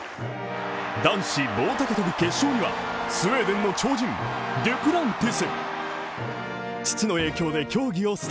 男子棒高跳決勝にはスウェーデンの超人・デュプランティス。